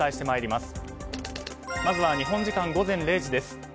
まずは日本時間午前０時です。